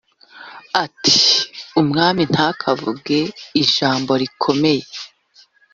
ati umwami ntakavuge ijambo rikomeye